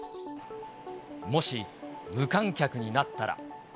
もし無観客になったら。